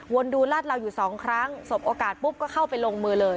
ดูลาดเหลาอยู่สองครั้งสบโอกาสปุ๊บก็เข้าไปลงมือเลย